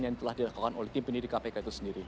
yang telah dilakukan oleh tim pendiri kpk itu sendiri